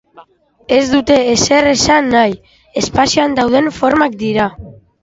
Ez dute ezer esan nahi: espazioan dauden formak dira.